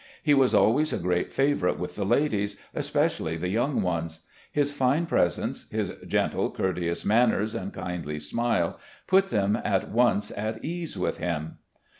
He was always a great favourite with the ladies, especially the young ones. His fine presence, his gentle, courteous manners and kindly smile put them at once at ease with him.